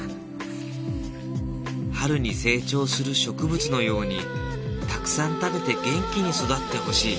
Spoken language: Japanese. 春に成長する植物のようにたくさん食べて元気に育ってほしい。